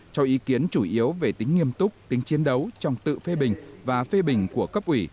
cho ý kiến chủ yếu về tính nghiêm túc tính chiến đấu trong tự phê bình và phê bình của cấp ủy